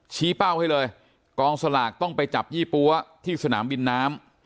เป้าให้เลยกองสลากต้องไปจับยี่ปั๊วที่สนามบินน้ำ